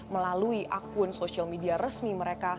melalui akun sosial media resmi mereka